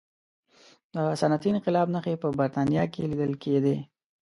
د صنعتي انقلاب نښې په برتانیا کې لیدل کېدې.